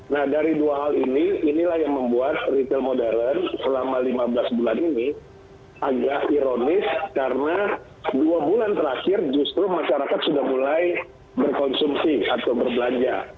nah dari dua hal ini inilah yang membuat retail modern selama lima belas bulan ini agak ironis karena dua bulan terakhir justru masyarakat sudah mulai berkonsumsi atau berbelanja